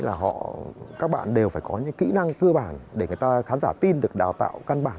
là các bạn đều phải có những kỹ năng cơ bản để người ta khán giả tin được đào tạo căn bản